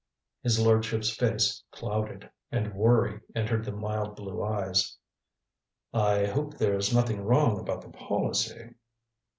His lordship's face clouded, and worry entered the mild blue eyes. "I hope there's nothing wrong about the policy."